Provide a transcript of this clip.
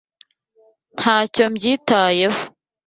Ntacyo mbyitayeho.